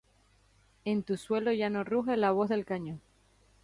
En tu suelo, ya no ruge la voz del cañón.